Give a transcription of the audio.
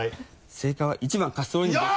正解は１番カシスオレンジです。